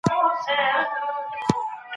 انسان د خپل علم له امله تر نورو لوړ دی.